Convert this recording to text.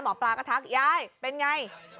หมอปลาก็ทักย้ายเป็นอย่างไร